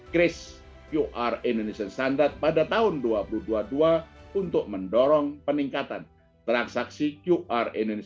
keempat defisit perusahaan pembayaran newton robe ini